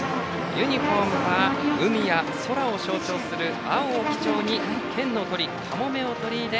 ユニフォームは海や空を象徴する青を基調に県の鳥、かもめを取り入れ